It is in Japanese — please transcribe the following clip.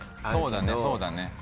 そうだねそうだね。